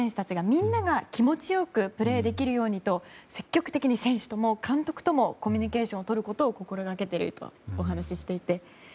みんなが気持ちよくプレーできるようにと積極的に選手とも監督ともコミュニケーションをとることを心がけているとお話ししていて。